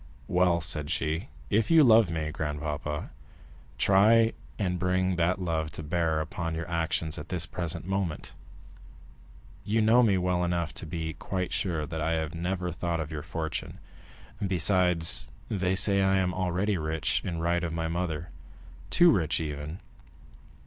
"Well," said she; "if you love me, grandpapa, try and bring that love to bear upon your actions at this present moment. You know me well enough to be quite sure that I have never thought of your fortune; besides, they say I am already rich in right of my mother—too rich, even.